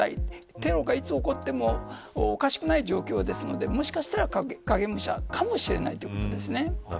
テロがいつ起こってもおかしくない状況ですのでもしかしたら影武者かもしれないということですね。